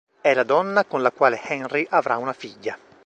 È la donna con la quale Henry avrà una figlia.